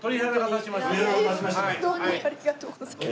ありがとうございます。